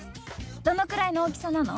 どのくらいの大きさなの？